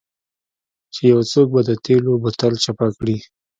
چې یو څوک به د تیلو بوتل چپه کړي